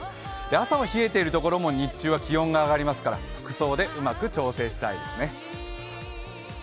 朝、冷えているところも日中は気温が上がりますから、服装でうまく調整したいですね。